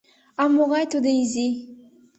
А могай тудо изи!